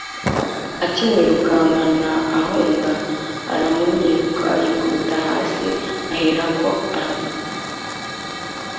Akimwirukankana ahunga, aramunyihuka yikubita hasi, aherako aramugara.